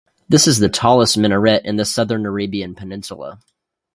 This is the tallest minaret in the southern Arabian peninsula.